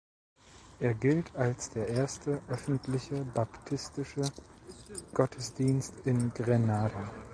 Er gilt als der erste öffentliche baptistische Gottesdienst in Grenada.